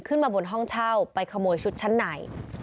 ขึ้นมาบนห้องเช่าไปขโมยชุดชั้นใน